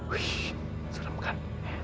wih serem kan